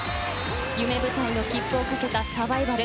夢舞台の切符をかけたサバイバル。